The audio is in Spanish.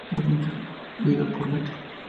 El Viso está bien servido por metro.